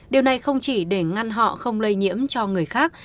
điều này không chỉ để ngăn họ không lây nhiễm cho người khác